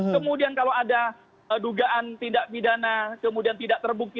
kemudian kalau ada dugaan tindak pidana kemudian tidak terbukti